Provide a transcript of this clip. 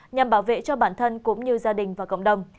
nhằm bảo vệ cho bản thân cũng như gia đình và cộng đồng